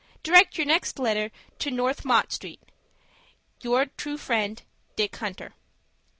Direct your next letter to No. — Mott Street. "Your true friend, "DICK HUNTER."